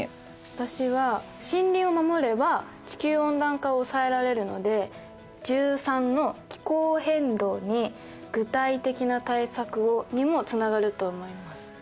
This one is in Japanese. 私は森林を守れば地球温暖化を抑えられるので１３の「気候変動に具体的な対策を」にもつながると思います。